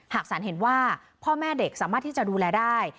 หากสารเห็นว่าพ่อแม่เด็กสามารถที่จะดูแลได้